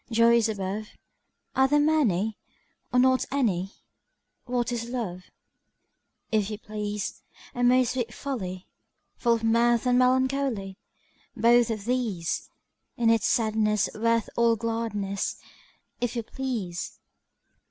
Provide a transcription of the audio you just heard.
Joys above, Are there many, or not any? What is Love? If you please, A most sweet folly! Full of mirth and melancholy: Both of these! In its sadness worth all gladness, If you please!